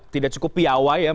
tidak cukup piawa